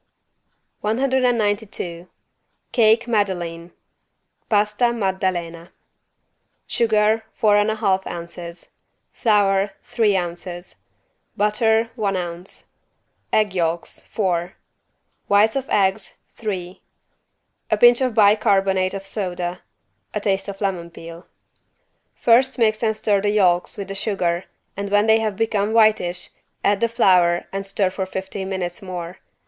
192 CAKE MADELEINE (Pasta Maddalena) Sugar, four and a half ounces, Flour, three ounces, Butter, one ounce, Egg yolks, four, Whites of eggs, three, A pinch of bi carbonate of soda, A taste of lemon peel. First mix and stir the yolks with the sugar and when they have become whitish, add the flour and stir for fifteen minutes more.